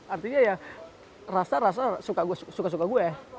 artinya ya rasa rasa suka suka gue